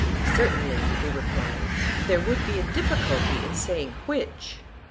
Certainly, he replied, there would be a difficulty in saying which.